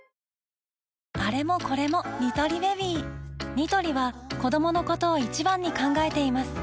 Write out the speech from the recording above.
ニトリは子どものことを一番に考えています